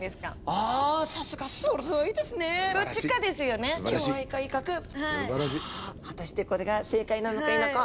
さあ果たしてこれが正解なのか否か。